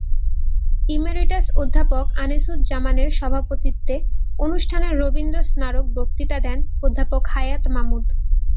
Emeritus অধ্যাপক আনিসুজ্জামানের সভাপতিত্বে অনুষ্ঠানে রবীন্দ্র স্মারক বক্তৃতা দেন অধ্যাপক হায়াৎ মামুদ।